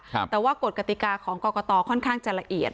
แต่ว่ากฎกติกาของกรกตค่อนข้างจะละเอียด